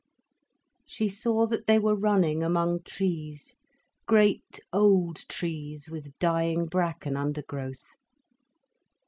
She saw that they were running among trees—great old trees with dying bracken undergrowth.